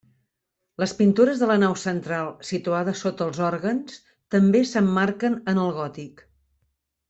Les pintures de la nau central situades sota els òrgans també s'emmarquen en el gòtic.